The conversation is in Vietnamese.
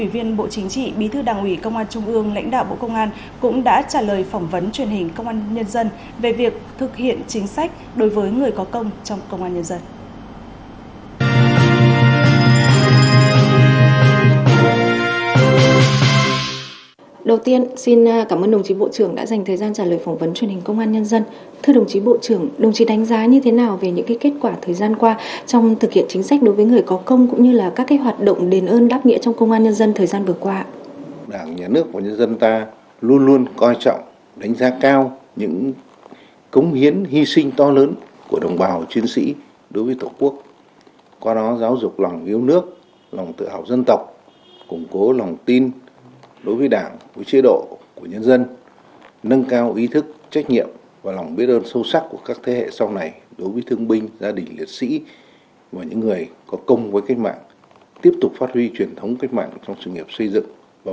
vâng thưa quý vị và cũng nhân dịp này đại tướng tô lâm ủy viên bộ chính trị bí thư đảng ủy công an trung ương lãnh đạo bộ công an cũng đã trả lời phỏng vấn truyền hình công an nhân dân về việc thực hiện chính sách đối với người có công trong công an nhân dân